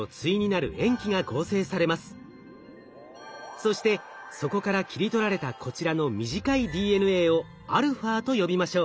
そしてそこから切り取られたこちらの短いＤＮＡをαと呼びましょう。